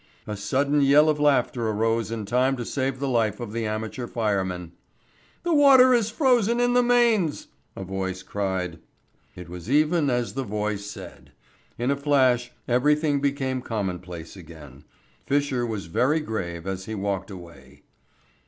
A sudden yell of laughter arose in time to save the life of the amateur fireman. "The water is frozen in the mains," a voice cried. It was even as the voice said. In a flash everything became commonplace again. Fisher was very grave as he walked away.